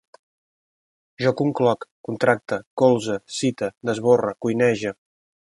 Jo concloc, contracte, colze, cite, desborre, cuinege